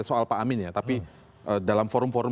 soal pak amin ya tapi dalam forum forum